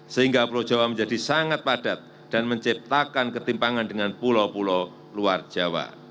sehingga pulau jawa menjadi sangat padat dan menciptakan ketimpangan dengan pulau pulau luar jawa